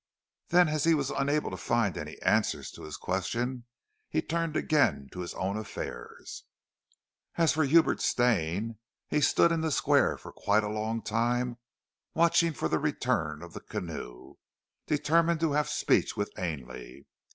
Then as he was unable to find any answer to his question he turned again to his own affairs. As for Hubert Stane he stood in the Square for quite a long time watching for the return of the canoe, determined to have speech with Ainley.